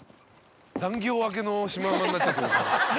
残業明けのシマウマになっちゃってる。